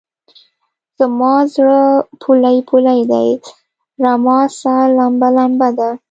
زما زړه پولۍ پولۍدی؛ رما سا لمبه لمبه ده